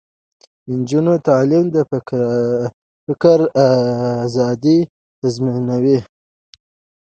د نجونو تعلیم د فکر ازادي تضمینوي.